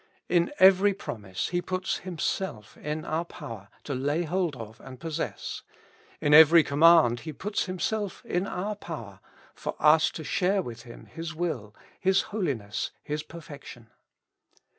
In every promise He puts Himself in our power to lay hold of and possess ; in every command He puts Himself m our power for us to share with Him His Will, His Holiness, His Per fection.